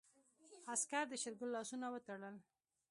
عسکر د شېرګل لاسونه وتړل.